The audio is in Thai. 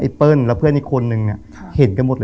ผมไอ้เปิ้ลแล้วเพื่อนอีกคนนึงเห็นกันหมดเลย